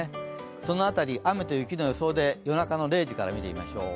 その辺り雨と雪の予想で夜中の０時から見ていきましょう。